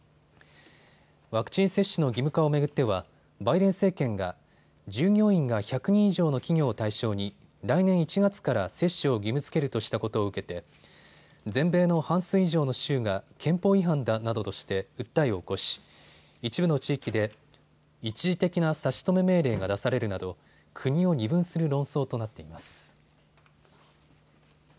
ワクチン接種の義務化を巡ってはバイデン政権が従業員が１００人以上の企業を対象に来年１月から接種を義務づけるとしたことを受けて全米の半数以上の州が憲法違反だなどとして訴えを起こし一部の地域で一時的な差し止め命令が出されるなど国を二分する論争となっています。